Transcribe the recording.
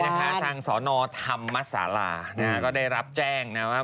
ทางสอนอธรรมศาลาฯก็ได้รับแจ้งว่า